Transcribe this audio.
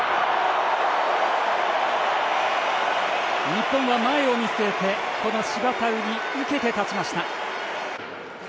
日本は前を見据えてこのシバタウに受けて立ちました。